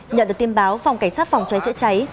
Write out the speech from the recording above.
nhận được tin báo phòng cảnh sát phòng cháy chữa cháy